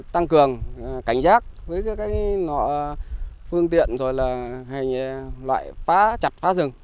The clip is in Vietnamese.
tăng cường cảnh giác với các cái loại phương tiện rồi là loại chặt phá rừng